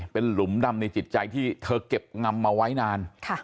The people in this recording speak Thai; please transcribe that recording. เป็นหลุมดำในจิตใจที่เธอเก็บงำมาไว้นาน